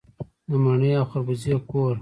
د مڼې او خربوزې کور.